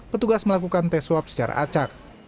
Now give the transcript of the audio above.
petugas melakukan tes swab secara acak